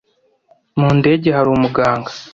Mu ndege hari umuganga?